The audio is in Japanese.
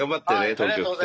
東京来て。